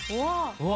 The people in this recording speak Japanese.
うわ！